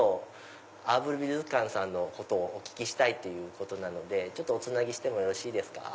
アーブル美術館さんのことをお聞きしたいということなのでおつなぎしてもよろしいですか？